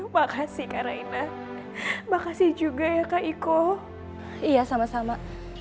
makasih kak raina makasih juga ya kak iko iya sama sama